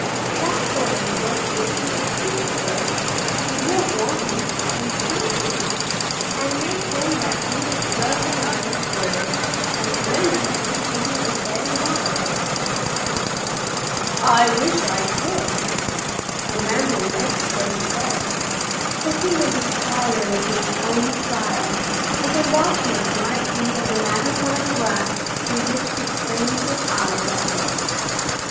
That sort of a book would do a heap of good; be real warmin' and strengthening and make them that read it love the man that wrote it, and remember him when he was dead and gone." "I wish I could!" and Randal meant what he said, for he was as tired of his own style as a watch maker might be of the magnifying glass through which he strains his eyes all day.